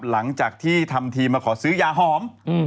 หลังจากที่ทำทีมาขอซื้อยาหอม